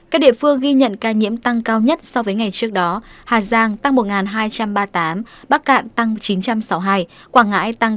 các địa phương ghi nhận ca nhiễm tăng cao nhất so với ngày trước đó hà giang tăng một hai trăm ba mươi tám bắc cạn tăng chín trăm sáu mươi hai quảng ngãi tăng một mươi